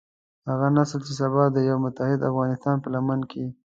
هغه نسل چې سبا د يوه متحد افغانستان په لمن کې.